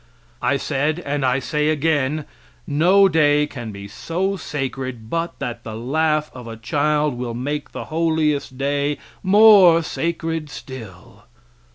I said, and I say again, no day can be so sacred but that the laugh of a child will make the holiest day more sacred still.